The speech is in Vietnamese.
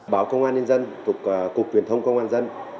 báo công an nhân dân cục truyền thông công an dân